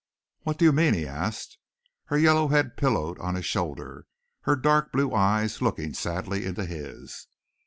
"What do you mean?" he asked, her yellow head pillowed on his shoulder, her dark blue eyes looking sadly into his.